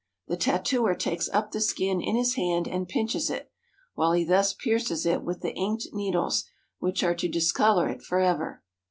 The tattooer takes up the skin in his hand and pinches it, while he thus pierces it with the inked needles which are to discolor it forever.